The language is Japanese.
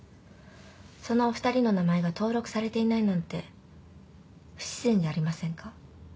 そのお二人の名前が登録されていないなんて不自然じゃありませんか？